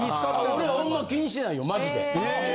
俺ほんま気にしてないよマジで。